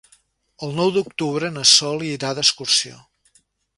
El nou d'octubre na Sol irà d'excursió.